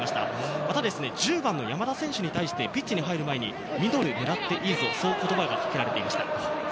また１０番の山田選手に対してピッチに入る前に、ミドルを狙っていいぞと声がかけられていました。